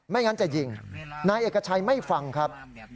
งั้นจะยิงนายเอกชัยไม่ฟังครับ